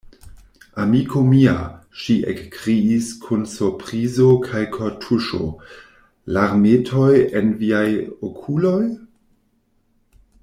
amiko mia, ŝi ekkriis kun surprizo kaj kortuŝo, larmetoj en viaj okuloj?